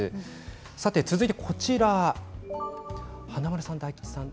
さてこちらは華丸さん、大吉さん